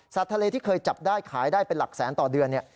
ทะเลที่เคยจับได้ขายได้เป็นหลักแสนต่อเดือน